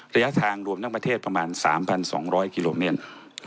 ระยะทางรวมทั้งประเทศประมาณ๓๒๐๐กิโลเมตร